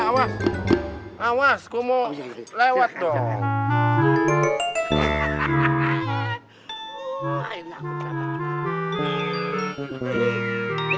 awas awas kamu lewat dong